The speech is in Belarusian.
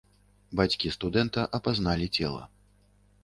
Бацькі студэнта апазналі цела.